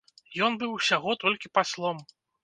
Ён быў усяго толькі паслом.